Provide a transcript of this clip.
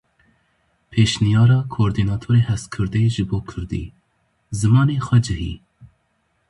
Pêşniyara Kordînatorê HezKurdê ji bo Kurdî: Zimanê xwecihî.